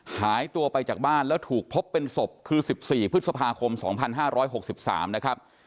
หายตัวไปจากบ้านแล้วถูกพบเป็นศพคือ๑๔พฤษภาคม๒๕๖๓นะครับ